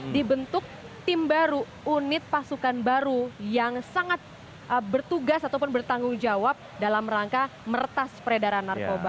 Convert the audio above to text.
dibentuk tim baru unit pasukan baru yang sangat bertugas ataupun bertanggung jawab dalam rangka mertas peredaran narkoba